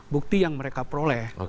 bukti yang mereka peroleh